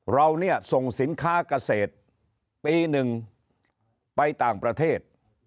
เราเนี่ยส่งสินค้าเกษตรปีหนึ่งไปต่างประเทศ